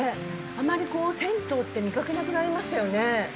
あまり銭湯って見かけなくなりましたよね。